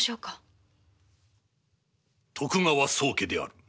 徳川宗家である。